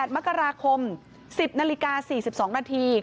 ๘มกราคม๑๐นาฬิกา๔๒นาที